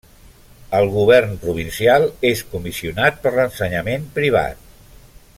Al govern provincial és comissionat per l'ensenyament privat.